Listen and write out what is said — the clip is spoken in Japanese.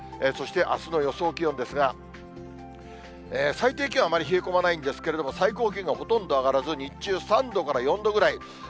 そしてあすの予想気温ですが、最低気温はあまり冷え込まないんですけれども、最高気温がほとんど上がらず、日中３度から４度ぐらい。